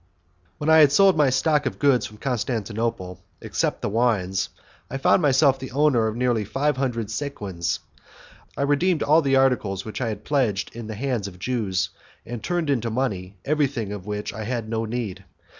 When I had sold my stock of goods from Constantinople (except the wines), I found myself the owner of nearly five hundred sequins. I redeemed all the articles which I had pledged in the hands of Jews, and turned into money everything of which I had no need.